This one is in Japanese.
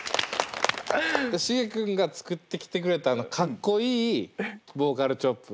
シゲ君が作ってきてくれたあのかっこいいボーカルチョップ。